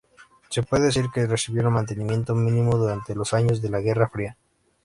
Se puede decir que recibieron mantenimiento mínimo durante los años de la guerra fría.